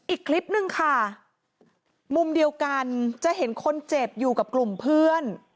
อีกคลิปนึงค่ะมุมเดียวกันจะเห็นคนเจ็บอยู่กับกลุ่มเพื่อน